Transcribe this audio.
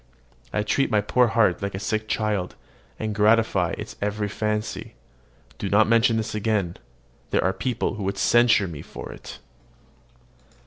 I treat my poor heart like a sick child, and gratify its every fancy. Do not mention this again: there are people who would censure me for it.